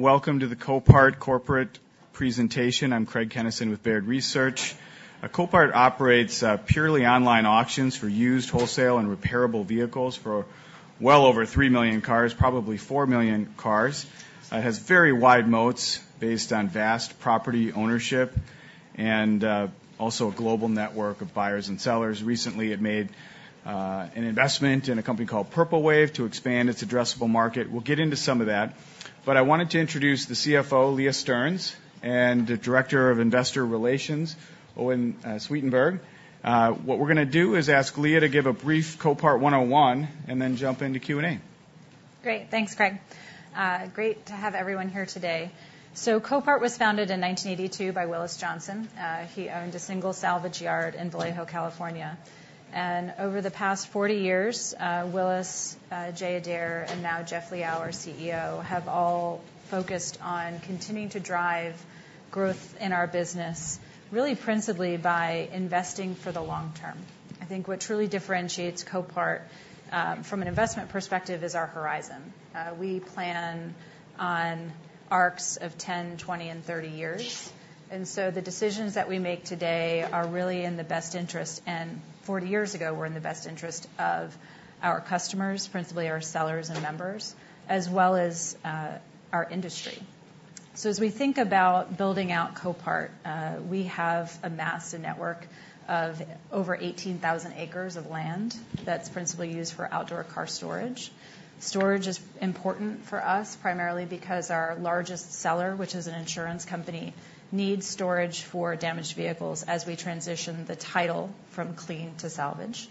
...Welcome to the Copart Corporate presentation. I'm Craig Kennison with Baird Research. Copart operates purely online auctions for used wholesale and repairable vehicles for well over 3 million cars, probably 4 million cars. It has very wide moats based on vast property ownership and also a global network of buyers and sellers. Recently, it made an investment in a company called Purple Wave to expand its addressable market. We'll get into some of that, but I wanted to introduce the CFO, Leah Stearns, and the Director of Investor Relations, Owen Swetenburg. What we're gonna do is ask Leah to give a brief Copart one-on-one and then jump into Q&A. Great, thanks, Craig. Great to have everyone here today. Copart was founded in 1982 by Willis Johnson. He owned a single salvage yard in Vallejo, California. Over the past 40 years, Willis, Jay Adair, and now Jeff Liaw, our CEO, have all focused on continuing to drive growth in our business, really principally by investing for the long term. I think what truly differentiates Copart, from an investment perspective is our horizon. We plan on arcs of 10, 20, and 30 years, and so the decisions that we make today are really in the best interest, and 40 years ago, were in the best interest of our customers, principally our sellers and members, as well as, our industry. So as we think about building out Copart, we have amassed a network of over 18,000 acres of land that's principally used for outdoor car storage. Storage is important for us, primarily because our largest seller, which is an insurance company, needs storage for damaged vehicles as we transition the title from clean to salvage.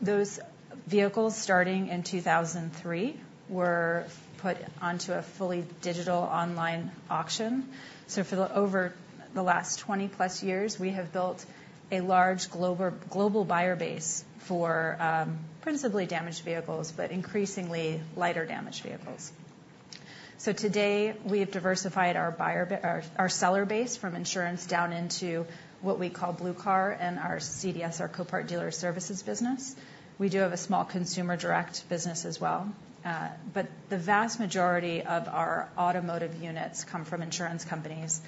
Those vehicles, starting in 2003, were put onto a fully digital online auction. So over the last 20+ years, we have built a large global buyer base for principally damaged vehicles, but increasingly, lighter damaged vehicles. So today, we have diversified our seller base from insurance down into what we call Blue Car and our CDS, our Copart Dealer Services business. We do have a small consumer direct business as well, but the vast majority of our automotive units come from insurance companies.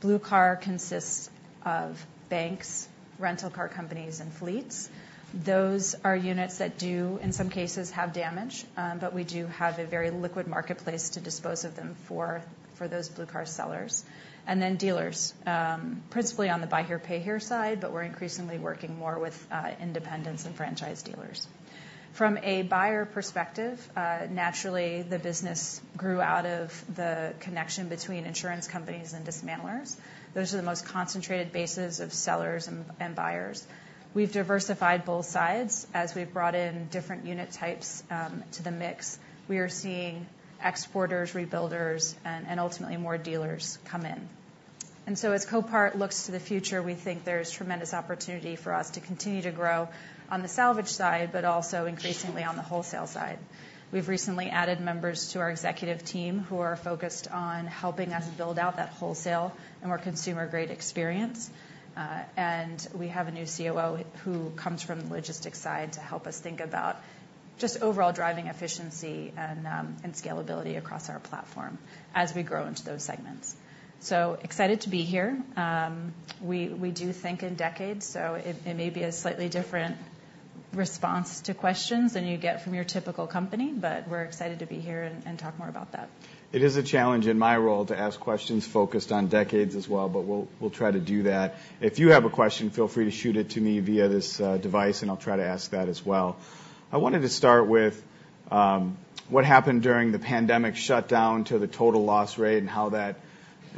Blue Car consists of banks, rental car companies, and fleets. Those are units that do, in some cases, have damage, but we do have a very liquid marketplace to dispose of them for those Blue Car sellers. And then dealers, principally on the Buy Here, Pay Here side, but we're increasingly working more with independents and franchise dealers. From a buyer perspective, naturally, the business grew out of the connection between insurance companies and dismantlers. Those are the most concentrated bases of sellers and buyers. We've diversified both sides as we've brought in different unit types to the mix. We are seeing exporters, rebuilders, and ultimately, more dealers come in. And so as Copart looks to the future, we think there's tremendous opportunity for us to continue to grow on the salvage side, but also increasingly on the wholesale side. We've recently added members to our executive team who are focused on helping us build out that wholesale and more consumer-grade experience. And we have a new COO, who comes from the logistics side, to help us think about just overall driving efficiency and scalability across our platform as we grow into those segments. So excited to be here. We do think in decades, so it may be a slightly different response to questions than you get from your typical company, but we're excited to be here and talk more about that. It is a challenge in my role to ask questions focused on decades as well, but we'll try to do that. If you have a question, feel free to shoot it to me via this device, and I'll try to ask that as well. I wanted to start with what happened during the pandemic shutdown to the total loss rate and how that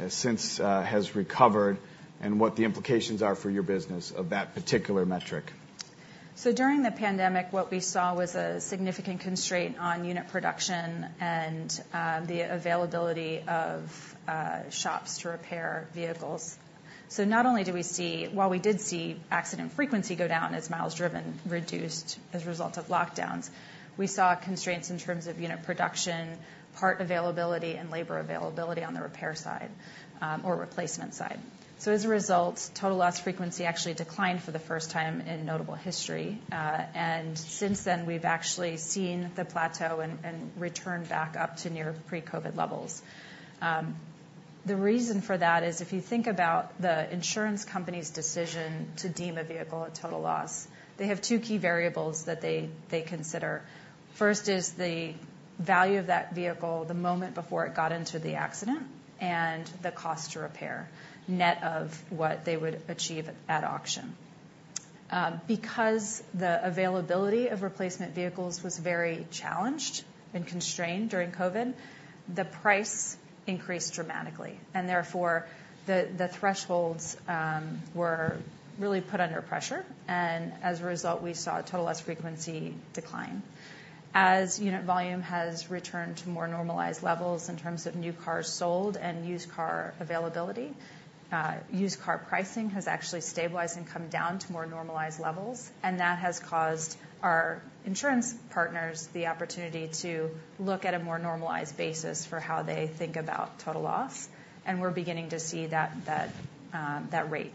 since has recovered, and what the implications are for your business of that particular metric. So during the pandemic, what we saw was a significant constraint on unit production and the availability of shops to repair vehicles. While we did see accident frequency go down as miles driven reduced as a result of lockdowns, we saw constraints in terms of unit production, part availability, and labour availability on the repair side, or replacement side. So as a result, total loss frequency actually declined for the first time in notable history, and since then, we've actually seen the plateau and return back up to near pre-COVID levels. The reason for that is, if you think about the insurance company's decision to deem a vehicle a total loss, they have two key variables that they consider. First is the value of that vehicle the moment before it got into the accident and the cost to repair, net of what they would achieve at auction. Because the availability of replacement vehicles was very challenged and constrained during COVID, the price increased dramatically, and therefore, the thresholds were really put under pressure, and as a result, we saw total loss frequency decline. As unit volume has returned to more normalized levels in terms of new cars sold and used car availability, used car pricing has actually stabilized and come down to more normalized levels, and that has caused our insurance partners the opportunity to look at a more normalized basis for how they think about total loss, and we're beginning to see that rate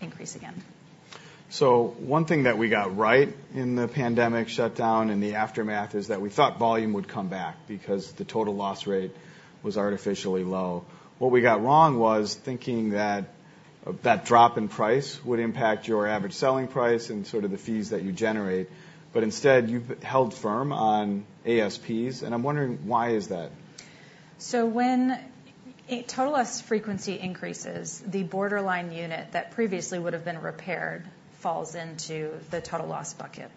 increase again.... So one thing that we got right in the pandemic shutdown and the aftermath is that we thought volume would come back because the total loss rate was artificially low. What we got wrong was thinking that, that drop in price would impact your average selling price and sort of the fees that you generate, but instead, you've held firm on ASPs, and I'm wondering why is that? So when a total loss frequency increases, the borderline unit that previously would have been repaired falls into the total loss bucket.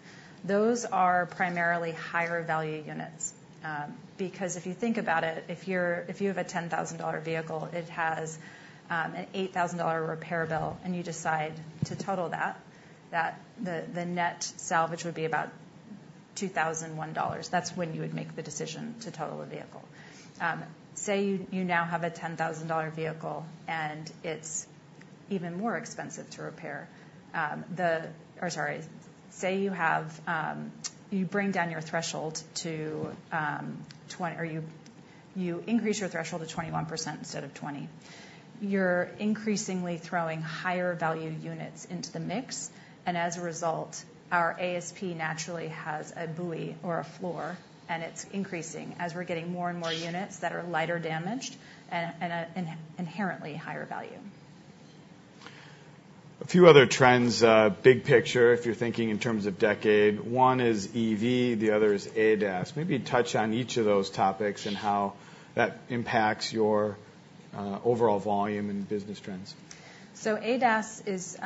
Those are primarily higher value units, because if you think about it, if you have a $10,000 vehicle, it has an $8,000 repair bill, and you decide to total that, the net salvage would be about $2,001. That's when you would make the decision to total a vehicle. Say you now have a $10,000 vehicle, and it's even more expensive to repair, or sorry, say you have, you bring down your threshold to twenty, or you increase your threshold to 21% instead of 20%, you're increasingly throwing higher value units into the mix, and as a result, our ASP naturally has a buoy or a floor, and it's increasing as we're getting more and more units that are lighter damaged and inherently higher value. A few other trends, big picture, if you're thinking in terms of decade, one is EV, the other is ADAS. Maybe touch on each of those topics and how that impacts your overall volume and business trends. So ADAS is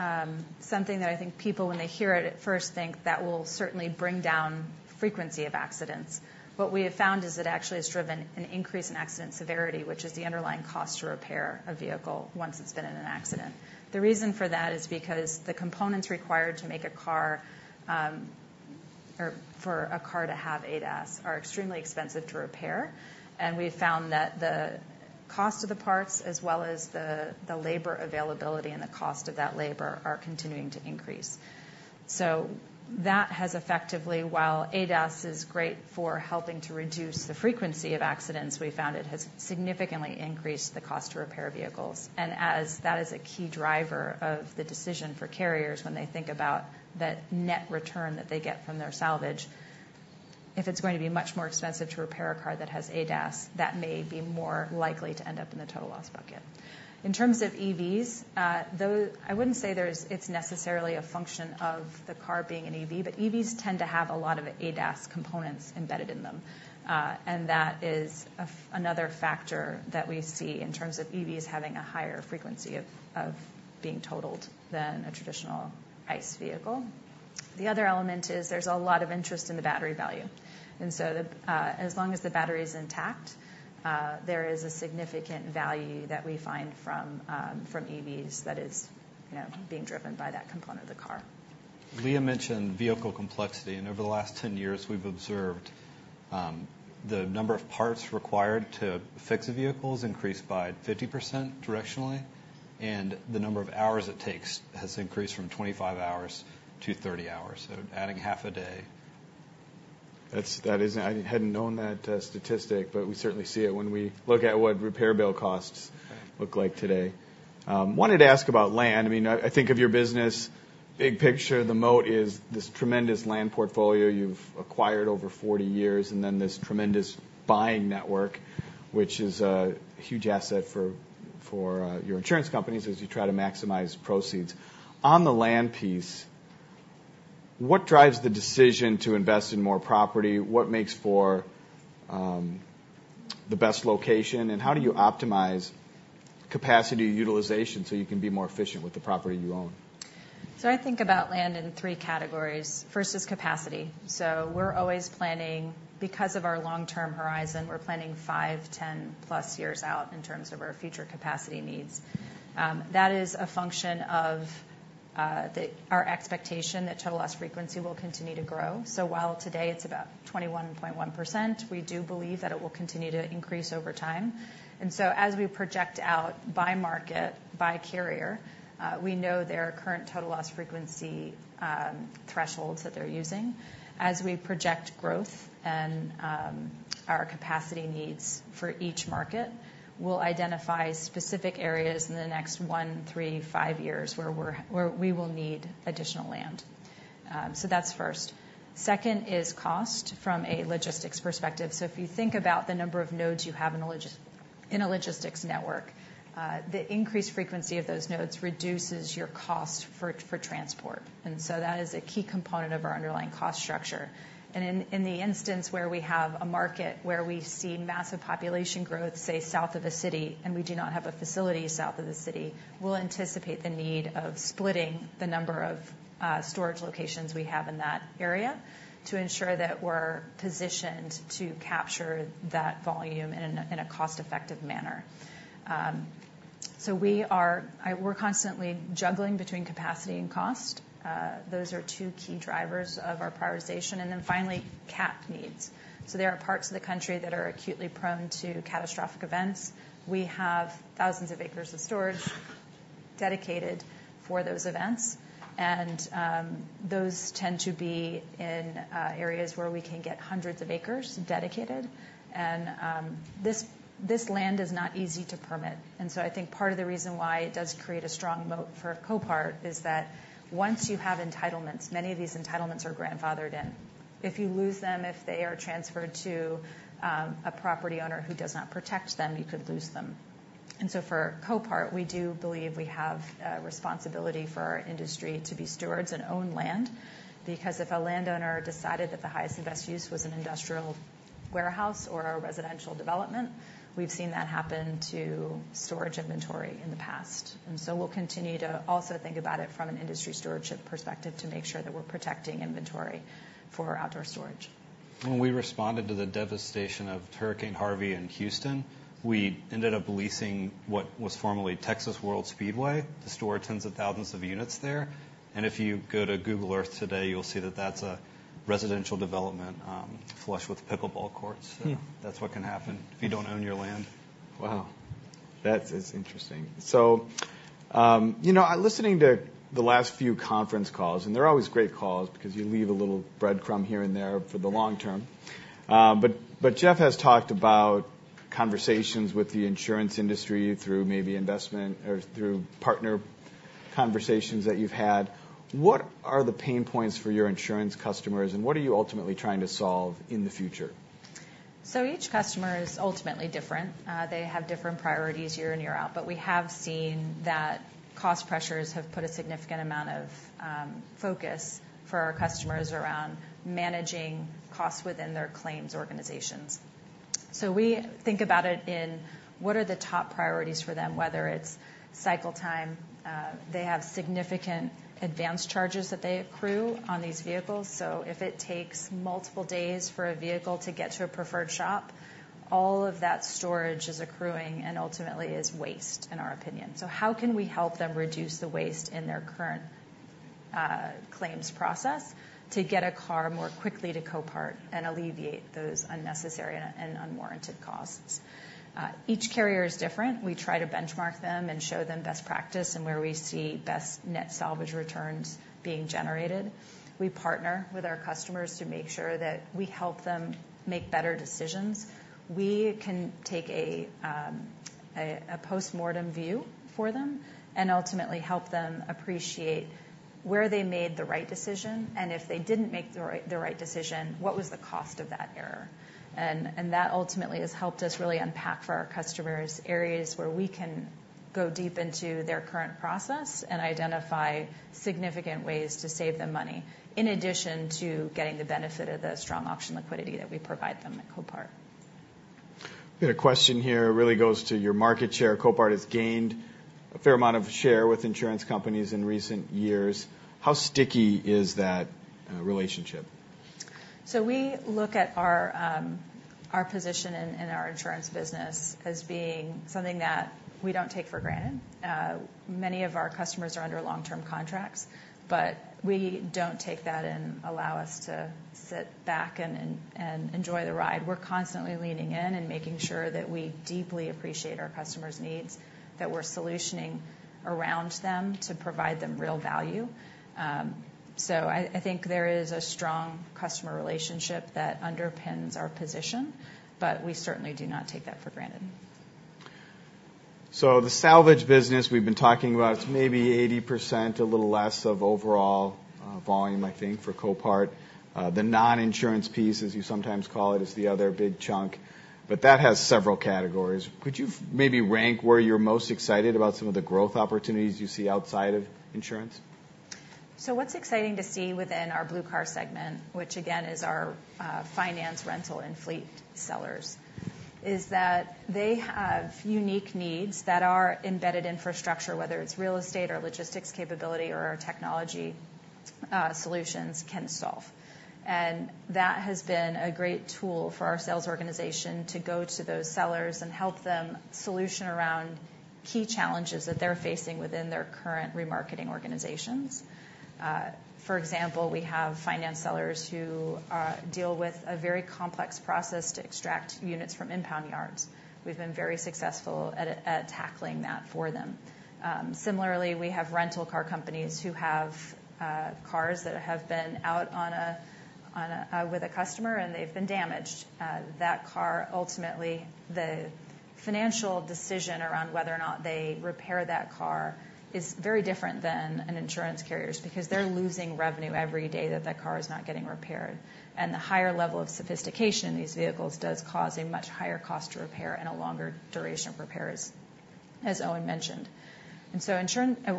something that I think people, when they hear it at first, think that will certainly bring down frequency of accidents. What we have found is it actually has driven an increase in accident severity, which is the underlying cost to repair a vehicle once it's been in an accident. The reason for that is because the components required to make a car, or for a car to have ADAS, are extremely expensive to repair, and we found that the cost of the parts, as well as the labour availability and the cost of that labour, are continuing to increase. So that has effectively, while ADAS is great for helping to reduce the frequency of accidents, we found it has significantly increased the cost to repair vehicles. As that is a key driver of the decision for carriers, when they think about the net return that they get from their salvage, if it's going to be much more expensive to repair a car that has ADAS, that may be more likely to end up in the total loss bucket. In terms of EVs, I wouldn't say it's necessarily a function of the car being an EV, but EVs tend to have a lot of ADAS components embedded in them, and that is another factor that we see in terms of EVs having a higher frequency of being totaled than a traditional ICE vehicle. The other element is there's a lot of interest in the battery value, and so the, as long as the battery is intact, there is a significant value that we find from, from EVs that is, you know, being driven by that component of the car. Leah mentioned vehicle complexity, and over the last 10 years, we've observed, the number of parts required to fix a vehicle has increased by 50% directionally, and the number of hours it takes has increased from 25 hours to 30 hours, so adding half a day. I hadn't known that statistic, but we certainly see it when we look at what repair bill costs look like today. Wanted to ask about land. I mean, I think of your business, big picture, the moat is this tremendous land portfolio you've acquired over 40 years, and then this tremendous buying network, which is a huge asset for your insurance companies as you try to maximize proceeds. On the land piece, what drives the decision to invest in more property? What makes for the best location, and how do you optimize capacity utilization so you can be more efficient with the property you own? So I think about land in three categories. First is capacity. So we're always planning, because of our long-term horizon, we're planning 5, 10+ years out in terms of our future capacity needs. That is a function of our expectation that total loss frequency will continue to grow. So while today it's about 21.1%, we do believe that it will continue to increase over time. And so as we project out by market, by carrier, we know their current total loss frequency thresholds that they're using. As we project growth and our capacity needs for each market, we'll identify specific areas in the next 1, 3, 5 years where we will need additional land. So that's first. Second is cost from a logistics perspective. So if you think about the number of nodes you have in a logistics network, the increased frequency of those nodes reduces your cost for transport. So that is a key component of our underlying cost structure. In the instance where we have a market where we see massive population growth, say, south of a city, and we do not have a facility south of the city, we'll anticipate the need of splitting the number of storage locations we have in that area to ensure that we're positioned to capture that volume in a cost-effective manner. We're constantly juggling between capacity and cost. Those are two key drivers of our prioritization. Then finally, CAT needs. So there are parts of the country that are acutely prone to catastrophic events. We have thousands of acres of storage dedicated for those events, and those tend to be in areas where we can get hundreds of acres dedicated, and this land is not easy to permit. And so I think part of the reason why it does create a strong moat for Copart is that once you have entitlements, many of these entitlements are grandfathered in. If you lose them, if they are transferred to a property owner who does not protect them, you could lose them. And so for Copart, we do believe we have a responsibility for our industry to be stewards and own land, because if a landowner decided that the highest and best use was an industrial warehouse or a residential development, we've seen that happen to storage inventory in the past. And so we'll continue to also think about it from an industry stewardship perspective to make sure that we're protecting inventory for outdoor storage. When we responded to the devastation of Hurricane Harvey in Houston, we ended up leasing what was formerly Texas World Speedway to store tens of thousands of units there. And if you go to Google Earth today, you'll see that that's a residential development, flush with pickleball courts. Hmm. That's what can happen if you don't own your land. Wow! That is interesting. So, you know, listening to the last few conference calls, and they're always great calls because you leave a little breadcrumb here and there for the long term. But, but Jeff has talked about conversations with the insurance industry through maybe investment or through partner conversations that you've had. What are the pain points for your insurance customers, and what are you ultimately trying to solve in the future? So each customer is ultimately different. They have different priorities year in, year out, but we have seen that cost pressures have put a significant amount of focus for our customers around managing costs within their claims organizations. So we think about it in what are the top priorities for them, whether it's cycle time, they have significant advanced charges that they accrue on these vehicles. So if it takes multiple days for a vehicle to get to a preferred shop, all of that storage is accruing and ultimately is waste, in our opinion. So how can we help them reduce the waste in their current claims process to get a car more quickly to Copart and alleviate those unnecessary and unwarranted costs? Each carrier is different. We try to benchmark them and show them best practice and where we see best net salvage returns being generated. We partner with our customers to make sure that we help them make better decisions. We can take a postmortem view for them and ultimately help them appreciate where they made the right decision, and if they didn't make the right decision, what was the cost of that error? And that ultimately has helped us really unpack for our customers areas where we can go deep into their current process and identify significant ways to save them money, in addition to getting the benefit of the strong auction liquidity that we provide them at Copart. We had a question here, really goes to your market share. Copart has gained a fair amount of share with insurance companies in recent years. How sticky is that relationship? So we look at our position in our insurance business as being something that we don't take for granted. Many of our customers are under long-term contracts, but we don't take that and allow us to sit back and enjoy the ride. We're constantly leaning in and making sure that we deeply appreciate our customers' needs, that we're solutioning around them to provide them real value. So I think there is a strong customer relationship that underpins our position, but we certainly do not take that for granted. So the salvage business we've been talking about, it's maybe 80%, a little less, of overall volume, I think, for Copart. The non-insurance piece, as you sometimes call it, is the other big chunk, but that has several categories. Could you maybe rank where you're most excited about some of the growth opportunities you see outside of insurance? So what's exciting to see within our Blue Car segment, which, again, is our finance, rental, and fleet sellers, is that they have unique needs that our embedded infrastructure, whether it's real estate or logistics capability or our technology solutions, can solve. That has been a great tool for our sales organization to go to those sellers and help them solution around key challenges that they're facing within their current remarketing organizations. For example, we have finance sellers who deal with a very complex process to extract units from impound yards. We've been very successful at tackling that for them. Similarly, we have rental car companies who have cars that have been out on a with a customer, and they've been damaged. That car, ultimately, the financial decision around whether or not they repair that car is very different than an insurance carrier's, because they're losing revenue every day that that car is not getting repaired. And the higher level of sophistication in these vehicles does cause a much higher cost to repair and a longer duration of repairs, as Owen mentioned. And so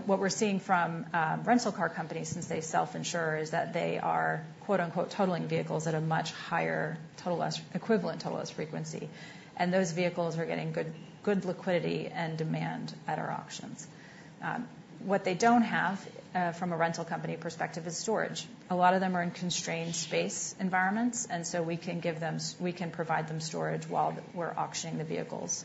what we're seeing from rental car companies, since they self-insure, is that they are, quote, unquote, "totaling vehicles at a much higher total loss, equivalent total loss frequency." And those vehicles are getting good, good liquidity and demand at our auctions. What they don't have, from a rental company perspective, is storage. A lot of them are in constrained space environments, and so we can provide them storage while we're auctioning the vehicles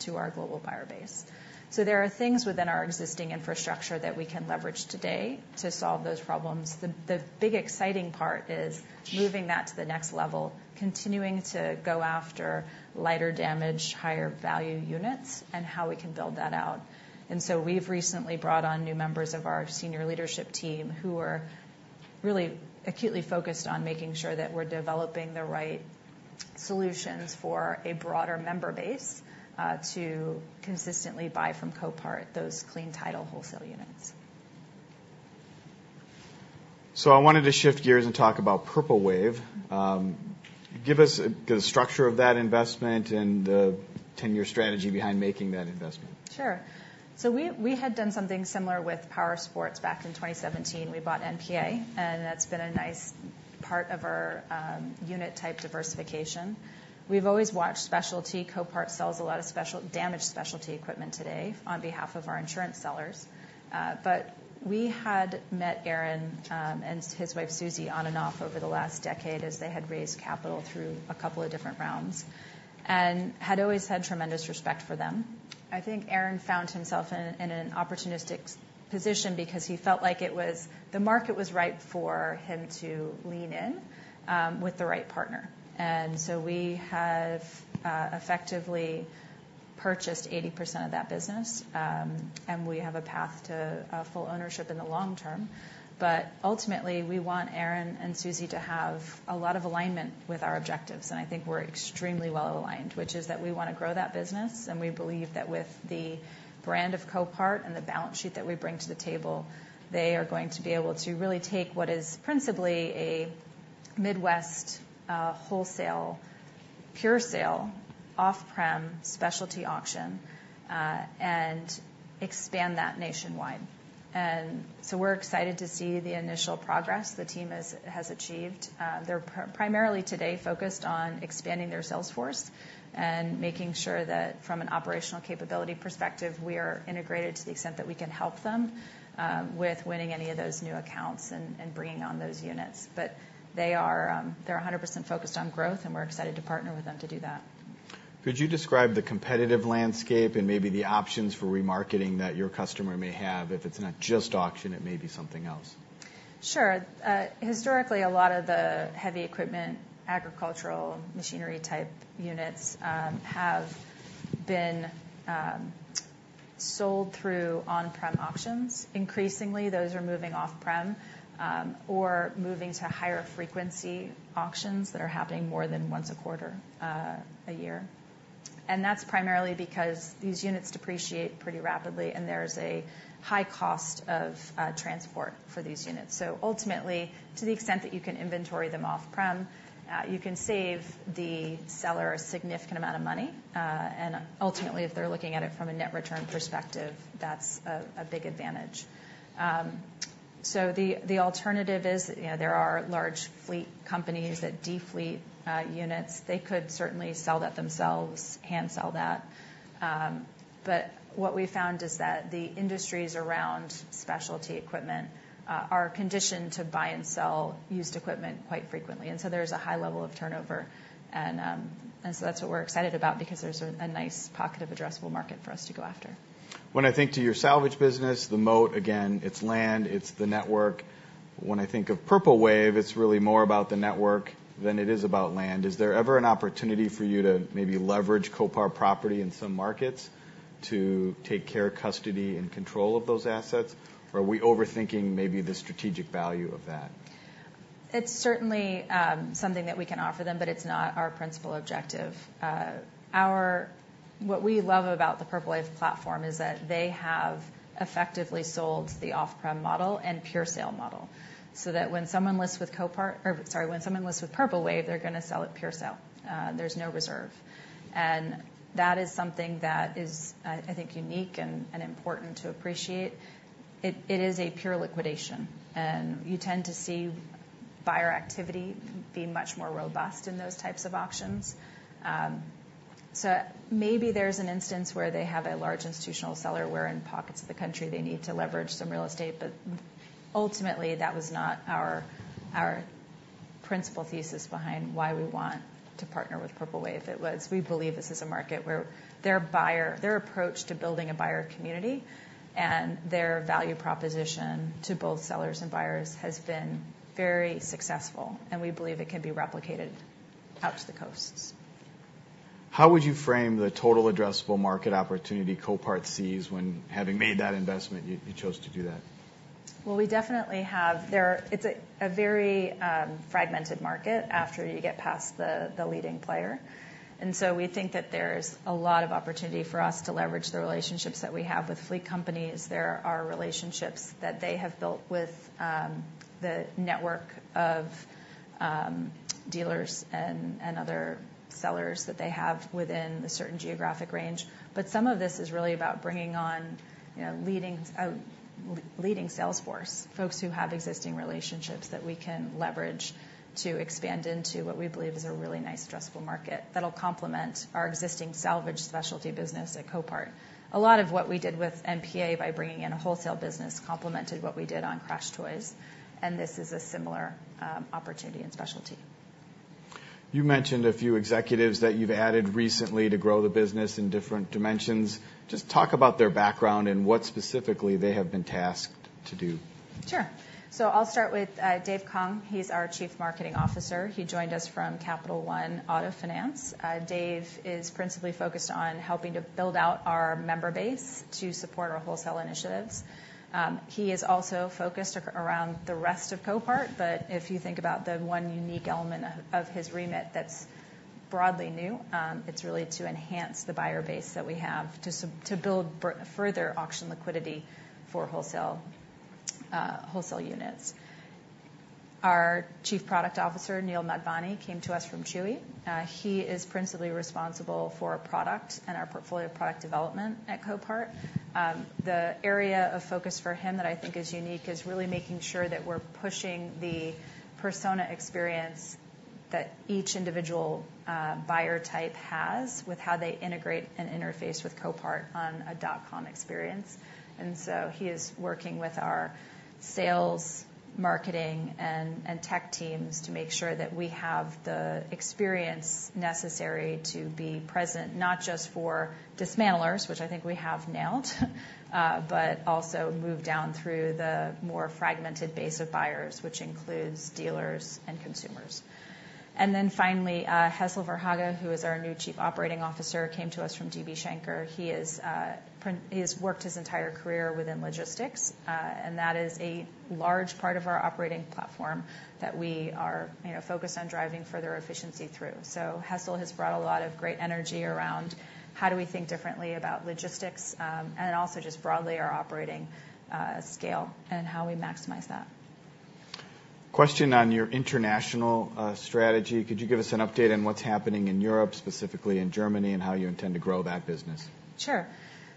to our global buyer base. So there are things within our existing infrastructure that we can leverage today to solve those problems. The big exciting part is moving that to the next level, continuing to go after lighter damage, higher value units, and how we can build that out. And so we've recently brought on new members of our senior leadership team who are really acutely focused on making sure that we're developing the right solutions for a broader member base to consistently buy from Copart those clean title wholesale units. So I wanted to shift gears and talk about Purple Wave. Give us the structure of that investment and the 10-year strategy behind making that investment. Sure. So we had done something similar with powersports back in 2017. We bought NPA, and that's been a nice part of our unit type diversification. We've always watched specialty. Copart sells a lot of damaged specialty equipment today on behalf of our insurance sellers. But we had met Aaron and his wife, Susie, on and off over the last decade as they had raised capital through a couple of different rounds, and had always had tremendous respect for them. I think Aaron found himself in an opportunistic position because he felt like the market was ripe for him to lean in with the right partner. And so we have effectively purchased 80% of that business, and we have a path to full ownership in the long term. But ultimately, we want Aaron and Susie to have a lot of alignment with our objectives, and I think we're extremely well aligned, which is that we want to grow that business, and we believe that with the brand of Copart and the balance sheet that we bring to the table, they are going to be able to really take what is principally a Midwest wholesale pure sale off-prem specialty auction and expand that nationwide. And so we're excited to see the initial progress the team has achieved. They're primarily today focused on expanding their sales force and making sure that from an operational capability perspective, we are integrated to the extent that we can help them with winning any of those new accounts and bringing on those units. But they are, they're 100% focused on growth, and we're excited to partner with them to do that. Could you describe the competitive landscape and maybe the options for remarketing that your customer may have? If it's not just auction, it may be something else. Sure. Historically, a lot of the heavy equipment, agricultural machinery-type units have been sold through on-prem auctions. Increasingly, those are moving off-prem or moving to higher frequency auctions that are happening more than once a quarter a year. And that's primarily because these units depreciate pretty rapidly, and there's a high cost of transport for these units. So ultimately, to the extent that you can inventory them off-prem, you can save the seller a significant amount of money, and ultimately, if they're looking at it from a net return perspective, that's a big advantage. So the alternative is, you know, there are large fleet companies that defleet units. They could certainly sell that themselves, hand sell that. But what we found is that the industries around specialty equipment are conditioned to buy and sell used equipment quite frequently, and so there's a nice pocket of addressable market for us to go after. When I think of your salvage business, the moat, again, it's land, it's the network. When I think of Purple Wave, it's really more about the network than it is about land. Is there ever an opportunity for you to maybe leverage Copart property in some markets to take care, custody, and control of those assets? Or are we overthinking maybe the strategic value of that? It's certainly something that we can offer them, but it's not our principal objective. Our—What we love about the Purple Wave platform is that they have effectively sold the off-prem model and pure sale model, so that when someone lists with Copart... Or sorry, when someone lists with Purple Wave, they're going to sell it pure sale. There's no reserve. And that is something that is, I think, unique and, and important to appreciate. It, it is a pure liquidation, and you tend to see buyer activity be much more robust in those types of auctions. So maybe there's an instance where they have a large institutional seller where in pockets of the country, they need to leverage some real estate, but ultimately, that was not our principal thesis behind why we want to partner with Purple Wave. It was, we believe this is a market where their buyer, their approach to building a buyer community and their value proposition to both sellers and buyers has been very successful, and we believe it can be replicated out to the coasts. How would you frame the total addressable market opportunity Copart sees when, having made that investment, you chose to do that? Well, it's a very fragmented market after you get past the leading player, and so we think that there's a lot of opportunity for us to leverage the relationships that we have with fleet companies. There are relationships that they have built with the network of dealers and other sellers that they have within a certain geographic range. But some of this is really about bringing on, you know, leading sales force folks who have existing relationships that we can leverage to expand into what we believe is a really nice addressable market that'll complement our existing salvage specialty business at Copart. A lot of what we did with NPA by bringing in a wholesale business complemented what we did on CrashedToys, and this is a similar opportunity and specialty. You mentioned a few executives that you've added recently to grow the business in different dimensions. Just talk about their background and what specifically they have been tasked to do. Sure. So I'll start with Dave Kang. He's our Chief Marketing Officer. He joined us from Capital One Auto Finance. Dave is principally focused on helping to build out our member base to support our wholesale initiatives. He is also focused around the rest of Copart, but if you think about the one unique element of his remit, that's broadly new. It's really to enhance the buyer base that we have to build further auction liquidity for wholesale, wholesale units. Our Chief Product Officer, Neel Madhvani, came to us from Chewy. He is principally responsible for our product and our portfolio product development at Copart. The area of focus for him that I think is unique is really making sure that we're pushing the persona experience that each individual buyer type has with how they integrate and interface with Copart on a dot com experience. And so he is working with our sales, marketing, and tech teams to make sure that we have the experience necessary to be present, not just for dismantlers, which I think we have nailed, but also move down through the more fragmented base of buyers, which includes dealers and consumers. And then finally, Hessel Verhage, who is our new Chief Operating Officer, came to us from DB Schenker. He is he has worked his entire career within logistics, and that is a large part of our operating platform that we are, you know, focused on driving further efficiency through. So Hessel has brought a lot of great energy around: How do we think differently about logistics? And then also just broadly, our operating scale and how we maximize that. Question on your international strategy. Could you give us an update on what's happening in Europe, specifically in Germany, and how you intend to grow that business? Sure.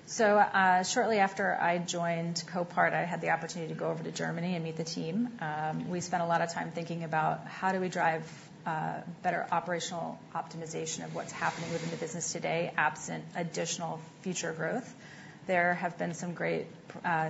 So, shortly after I joined Copart, I had the opportunity to go over to Germany and meet the team. We spent a lot of time thinking about: How do we drive better operational optimization of what's happening within the business today, absent additional future growth? There have been some great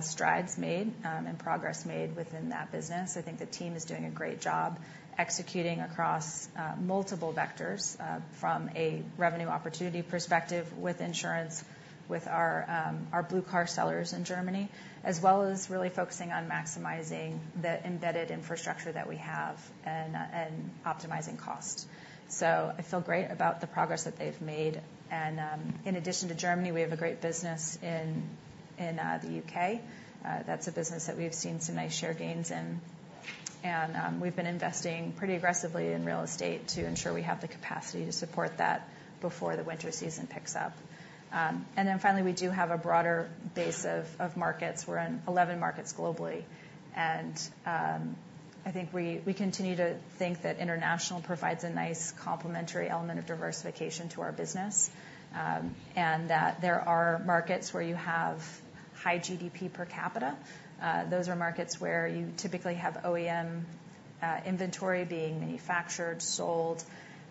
strides made, and progress made within that business. I think the team is doing a great job executing across multiple vectors from a revenue opportunity perspective with insurance, with our Blue Car sellers in Germany, as well as really focusing on maximizing the embedded infrastructure that we have and optimizing cost. So I feel great about the progress that they've made, and in addition to Germany, we have a great business in the UK. That's a business that we've seen some nice share gains in, and we've been investing pretty aggressively in real estate to ensure we have the capacity to support that before the winter season picks up. And then finally, we do have a broader base of markets. We're in 11 markets globally, and I think we continue to think that international provides a nice complementary element of diversification to our business, and that there are markets where you have high GDP per capita. Those are markets where you typically have OEM inventory being manufactured, sold.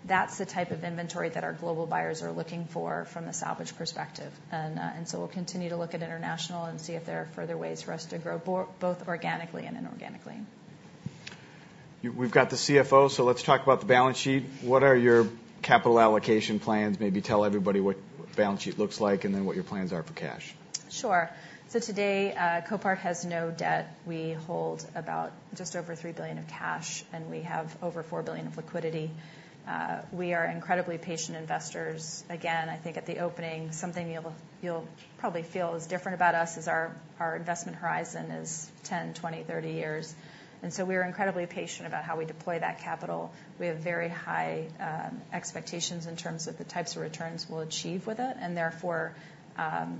That's the type of inventory that our global buyers are looking for from the salvage perspective. And so we'll continue to look at international and see if there are further ways for us to grow both organically and inorganically. We've got the CFO, so let's talk about the balance sheet. What are your capital allocation plans? Maybe tell everybody what the balance sheet looks like, and then what your plans are for cash. Sure. So today, Copart has no debt. We hold about just over $3 billion of cash, and we have over $4 billion of liquidity. We are incredibly patient investors. Again, I think at the opening, something you'll probably feel is different about us is our investment horizon is 10, 20, 30 years, and so we're incredibly patient about how we deploy that capital. We have very high expectations in terms of the types of returns we'll achieve with it, and therefore, you know,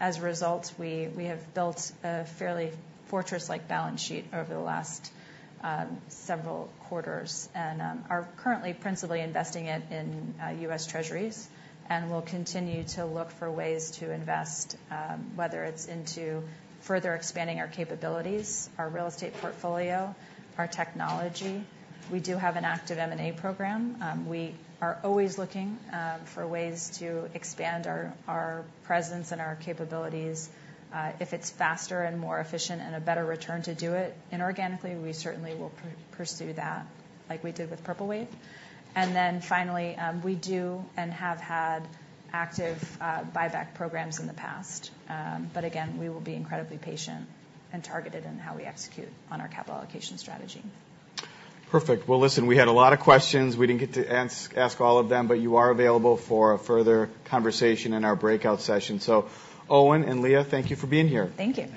as a result, we have built a fairly fortress-like balance sheet over the last several quarters and are currently principally investing it in U.S. Treasuries. And we'll continue to look for ways to invest, whether it's into further expanding our capabilities, our real estate portfolio, our technology. We do have an active M&A program. We are always looking for ways to expand our presence and our capabilities. If it's faster and more efficient and a better return to do it inorganically, we certainly will pursue that, like we did with Purple Wave. And then finally, we do and have had active buyback programs in the past. But again, we will be incredibly patient and targeted in how we execute on our capital allocation strategy. Perfect. Well, listen, we had a lot of questions. We didn't get to ask all of them, but you are available for a further conversation in our breakout session. So Owen and Leah, thank you for being here. Thank you.